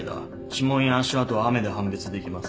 指紋や足跡は雨で判別できません。